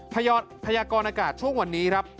พยายามพยากรณากาศช่วงวันนี้ครับ